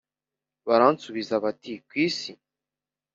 Baransubiza bati ku isi